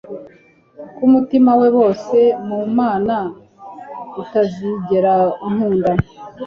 ko umutima we, bose mu mana, utazigera unkunda